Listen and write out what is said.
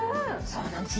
そうなんです。